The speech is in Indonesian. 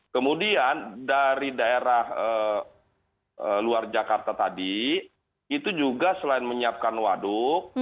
kemudian dari daerah luar jakarta tadi itu juga selain menyiapkan waduk